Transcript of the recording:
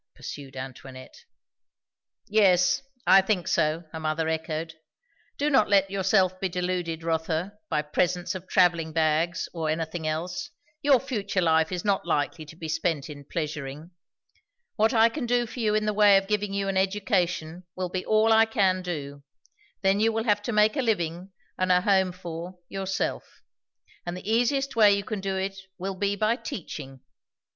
pursued Antoinette. "Yes, I think so," her mother echoed. "Do not let yourself be deluded, Rotha, by presents of travelling bags or anything else. Your future life is not likely to be spent in pleasuring. What I can do for you in the way of giving you an education, will be all I can do; then you will have to make a living and a home for, yourself; and the easiest way you can do it will be by teaching.